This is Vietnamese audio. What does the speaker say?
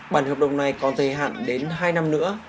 bản hợp đồng này có thời hạn đến hai năm nữa